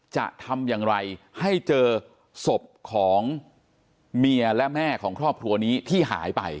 จะทำอย่างไรให้เจอศพของเมียและแม่ของครอบครัวนี้ที่หายไป